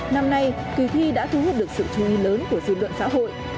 năm nay kỳ thi đã thu hút được sự chú ý lớn của dư luận xã hội